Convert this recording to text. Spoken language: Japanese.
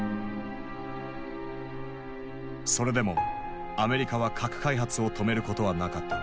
それでもアメリカは核開発を止めることはなかった。